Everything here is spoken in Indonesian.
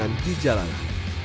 dan menghenti jalanan